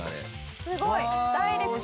すごいダイレクト。